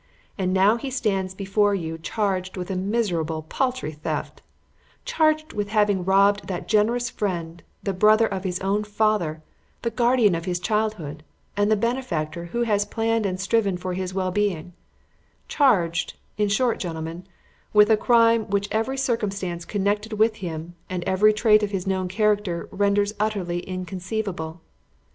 And now he stands before you charged with a miserable, paltry theft; charged with having robbed that generous friend, the brother of his own father, the guardian of his childhood and the benefactor who has planned and striven for his well being; charged, in short, gentlemen, with a crime which every circumstance connected with him and every trait of his known character renders utterly inconceivable.